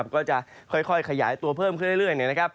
ก็จะค่อยขยายตัวเพิ่มขึ้นเรื่อย